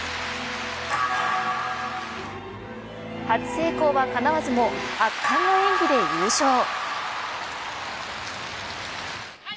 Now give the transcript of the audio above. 初成功はかなわずも圧巻の演技で優勝。